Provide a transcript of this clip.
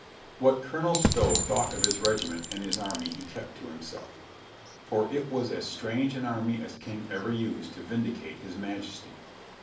What Colonel Stow thought of his regiment and his army he kept to himself. For it was as strange an army as king ever used to vindicate his majesty.